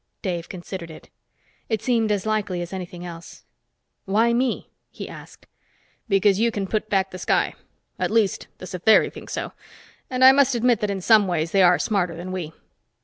Dave considered it. It seemed as likely as anything else. "Why me?" he asked. "Because you can put back the sky. At least, the Satheri think so, and I must admit that in some ways they are smarter than we."